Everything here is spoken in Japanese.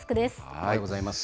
おはようございます。